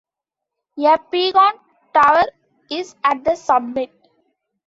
A beacon tower is at the summit.